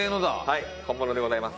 はい本物でございます。